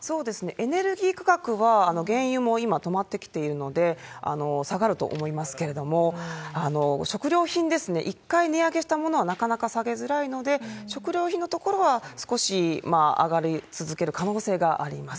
エネルギー価格は原油も今、止まってきているので、下がると思いますけれども、食料品ですね、一回値上げしたものはなかなか下げづらいので、食料品のところは少し上がり続ける可能性があります。